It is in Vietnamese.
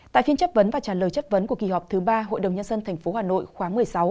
tại phiên chất vấn và trả lời chất vấn của kỳ họp thứ ba hội đồng nhân dân tp hà nội khóa một mươi sáu